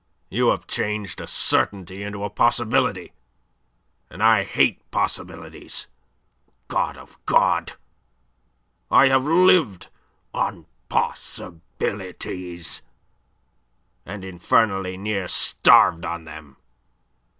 You have changed a certainty into a possibility, and I hate possibilities God of God! I have lived on possibilities, and infernally near starved on them."